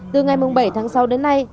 từ ngày bảy tháng sáu đến nay